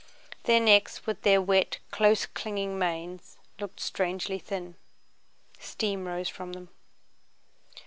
Their necks, with their wet, close clinging manes, looked strangely thin. Steam rose from them.